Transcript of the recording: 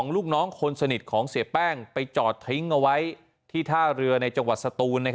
ลูกน้องคนสนิทของเสียแป้งไปจอดทิ้งเอาไว้ที่ท่าเรือในจังหวัดสตูน